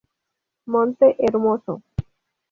Monte Hermoso.